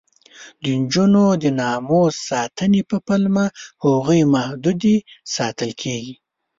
د نجونو د ناموس ساتنې په پلمه هغوی محدودې ساتل کېږي.